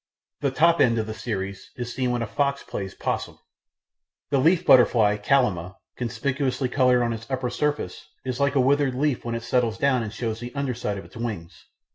The top end of the series is seen when a fox plays 'possum. The leaf butterfly Kallima, conspicuously coloured on its upper surface, is like a withered leaf when it settles down and shows the under side of its wings.